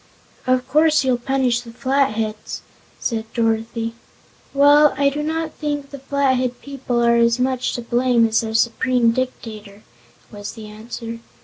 "Of course you'll punish the Flatheads," said Dorothy. "Well, I do not think the Flathead people are as much to blame as their Supreme Dictator," was the answer.